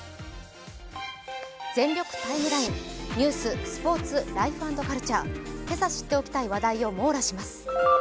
「全力ＴＩＭＥライン」ニュース、スポーツ、ライフ＆カルチャー、今朝知っておきたい話題を網羅します。